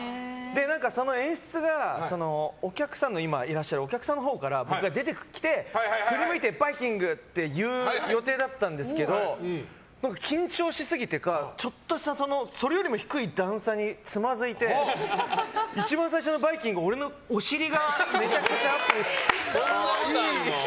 その演出がお客さんのほうから僕が出てきて振り向いて「バイキング」と言う予定だったんですけど緊張しすぎてかちょっとしたそれよりも低い段差につまずいて一番最初の「バイキング」は俺のお尻がめちゃくちゃアップで映って。